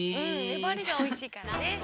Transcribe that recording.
ねばりがおいしいからね。